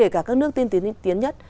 các nước tiên tiến nhất